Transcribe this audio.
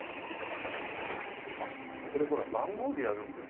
あっこれほら番号でやるんだよ。